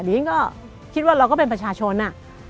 ดิฉันก็คิดว่าเราก็เป็นประชาชนอ่ะ